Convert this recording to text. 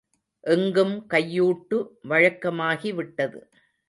எங்கும் கையூட்டு வழக்கமாகி விட்டது.